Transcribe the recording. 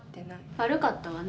悪かったわね。